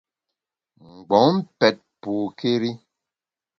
Mgbom pèt pokéri.